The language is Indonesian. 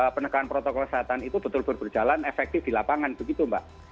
penegakan protokol kesehatan itu betul betul berjalan efektif di lapangan begitu mbak